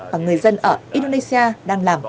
và người dân ở indonesia đang làm